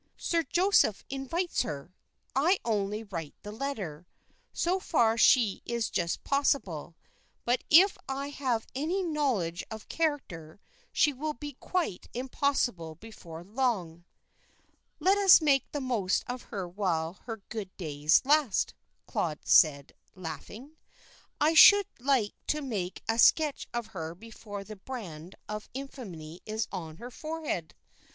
"Sir Joseph invites her. I only write the letter. So far she is just possible; but if I have any knowledge of character, she will be quite impossible before long." "Let us make the most of her while her good days last," Claude said, laughing. "I should like to make a sketch of her before the brand of infamy is on her forehead.